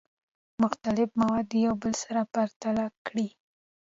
مختلف مواد یو بل سره پرتله کړئ.